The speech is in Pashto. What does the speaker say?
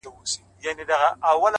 زه خو يو خوار او يو بې وسه انسان!